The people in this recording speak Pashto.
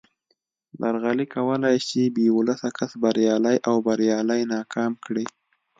درغلي کولای شي بې ولسه کس بریالی او بریالی ناکام کړي